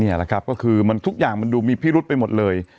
นี่แหละครับก็คือมันทุกอย่างมันดูมีพิรุษไปหมดเลย